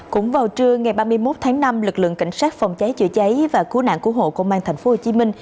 cũng vào trưa ngày ba mươi một tháng năm lực lượng cảnh sát phòng cháy chữa cháy và cứu nạn cứu hộ công an tp hcm